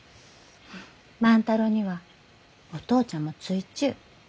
万太郎にはお父ちゃんもついちゅう。